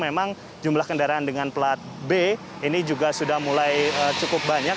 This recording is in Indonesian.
memang jumlah kendaraan dengan plat b ini juga sudah mulai cukup banyak